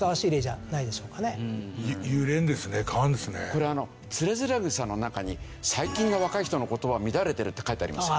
これ『徒然草』の中に「最近の若い人の言葉は乱れてる」って書いてありますよ。